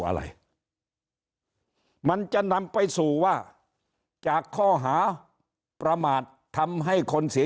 อะไรมันจะนำไปสู่ว่าจากข้อหาประมาททำให้คนเสีย